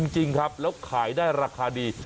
จริงครับแล้วขายได้ราคาดี